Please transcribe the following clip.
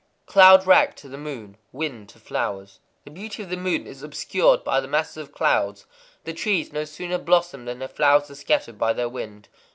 _ Cloud wrack to the moon; wind to flowers. The beauty of the moon is obscured by masses of clouds; the trees no sooner blossom than their flowers are scattered by the wind.